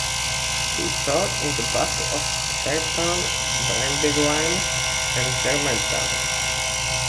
He fought in the Battles of Trenton, Brandywine, and Germantown.